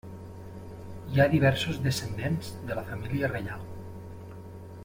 Hi ha diversos descendents de la família reial.